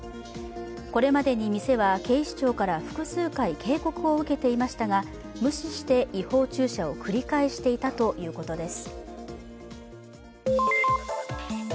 これまでに店は警視庁から複数回警告を受けていましたが無視して、違法駐車を繰り返していたということです。